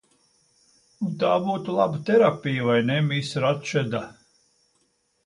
Un tā būtu laba terapija, vai ne, Miss Ratčeda?